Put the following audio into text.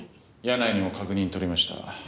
柳井にも確認とりました。